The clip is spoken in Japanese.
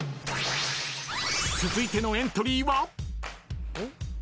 ［続いてのエントリーは？］